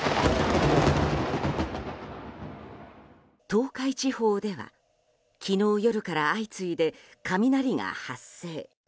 東海地方では昨日夜から相次いで雷が発生。